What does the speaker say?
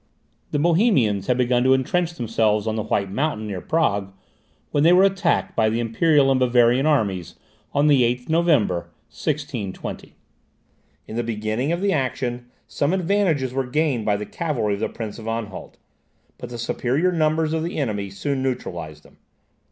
The Bohemians had begun to entrench themselves on the White Mountain near Prague, when they were attacked by the Imperial and Bavarian armies, on the 8th November, 1620. In the beginning of the action, some advantages were gained by the cavalry of the Prince of Anhalt; but the superior numbers of the enemy soon neutralized them.